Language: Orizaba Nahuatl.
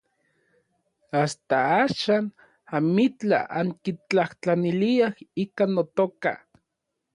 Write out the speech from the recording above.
Asta axan amitlaj ankitlajtlaniliaj ika notoka.